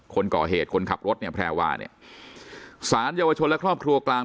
คนก่อเหตุคนขับรถเนี่ยแพรวาเนี่ยสารเยาวชนและครอบครัวกลาง